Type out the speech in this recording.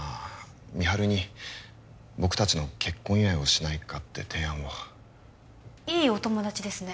美晴に僕達の結婚祝いをしないかって提案をいいお友達ですね